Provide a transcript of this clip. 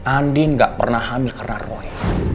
andi gak pernah hamil karena roy